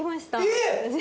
えっ！